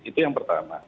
itu yang pertama